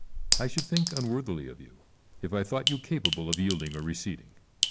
I should think unworthily of you if I thought you capable of yielding or receding.